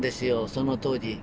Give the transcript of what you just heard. その当時。